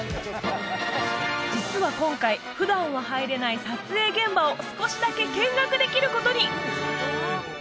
実は今回普段は入れない撮影現場を少しだけ見学できることに！